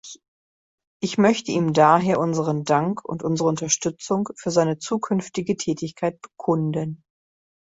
Ich möchte ihm daher unseren Dank und unsere Unterstützung für seine zukünftige Tätigkeit bekunden.